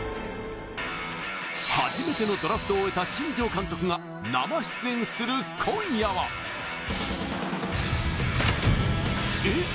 初めてのドラフトを終えた新庄監督が生出演する今夜はえっ？